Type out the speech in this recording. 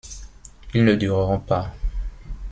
Ils ne dureront pas.